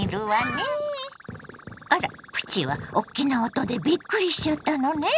あらプチはおっきな音でびっくりしちゃったのね。